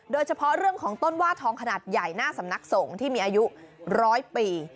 โดยเฉพาะเรื่องของต้นว่าทองขนาดใหญ่หน้าสำนักสงฆ์ที่มีอายุร้อยปี